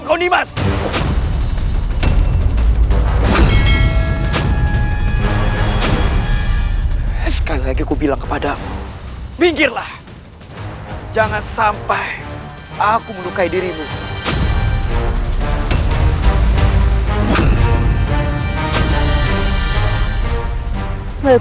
aku harus mempermainkan perasaannya agar ia tidak mengejar rahasianya